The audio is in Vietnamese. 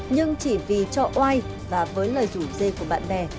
nhưng chỉ vì cho oai và với lời rủ dê của bạn bè